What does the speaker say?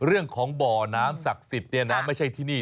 เรื่องของบ่อน้ำศักดิ์สิทธิ์เนี่ยนะไม่ใช่ที่นี่